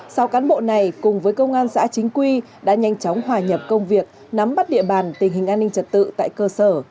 sau cán bộ này cùng với công an xã chính quy đã nhanh chóng hòa nhập công việc nắm bắt địa bàn tình hình an ninh trật tự tại cơ sở